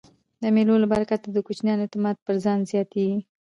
د مېلو له برکته د کوچنیانو اعتماد پر ځان زیاتېږي.